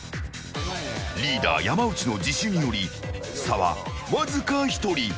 リーダー山内の自首により差はわずか１人。